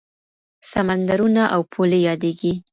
سمندرونه او پولې یادېږي.